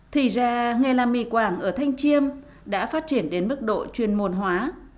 thì ra nghề làm my quảng ở thanh chiêm đã phát triển đến mức độ chuyên môn hóa